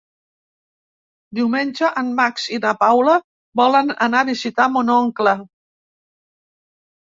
Diumenge en Max i na Paula volen anar a visitar mon oncle.